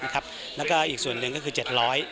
แล้วก็อีกส่วนหนึ่งก็คือ๗๐๐บาท